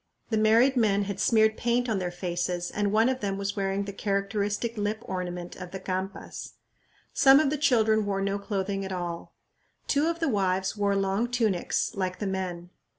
The married men had smeared paint on their faces, and one of them was wearing the characteristic lip ornament of the Campas. Some of the children wore no clothing at all. Two of the wives wore long tunics like the men.